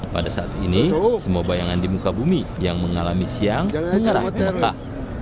pada saat ini semua bayangan di muka bumi yang mengalami siang mengalami mekah